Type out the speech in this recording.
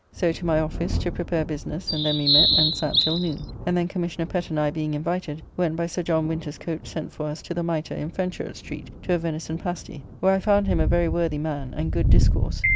So to my office to prepare business, and then we met and sat till noon, and then Commissioner Pett and I being invited, went by Sir John Winter's coach sent for us, to the Mitre, in Fenchurch street, to a venison pasty; where I found him a very worthy man; and good discourse.